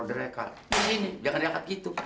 disini jangan diangkat gitu